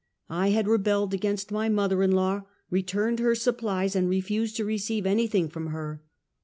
I had rebelled against my mother in law, returned her supplies, and refused to receive anything from her.